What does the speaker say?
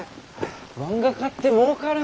漫画家ってもうかるんだぁ。